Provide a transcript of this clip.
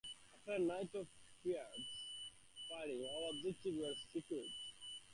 After a night of fierce fighting, all objectives were secured.